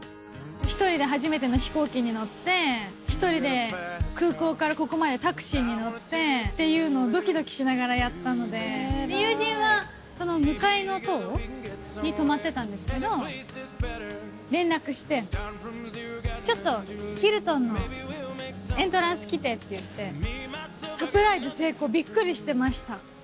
１人で初めての飛行機に乗って、１人で空港からここまでタクシーに乗ってっていうのを、どきどきしながらやったので、友人は、その向かいの棟に泊まってたんですけど、連絡して、ちょっとヒルトンのエントランス来てって言って、サプライズ成功、びっくりしてました。